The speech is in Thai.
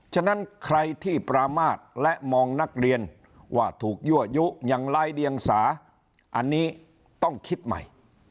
ฉะนั้นใครที่ประมาทและมองนักเรียนว่าถูกยั่วยุอย่างไร้เดียงสาอันนี้ต้องคิดใหม่